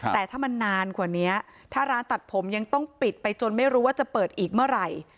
แต่ถ้ามันนานกว่านี้ถ้าร้านตัดผมยังต้องปิดไปจนไม่รู้ว่าจะเปิดอีกเมื่อไหร่